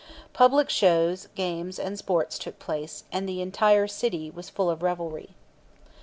Public shows, games, and sports took place, and the entire city was full of revelry.